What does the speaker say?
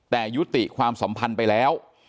แต่ยุติความสัมพันธ์ไปแล้ว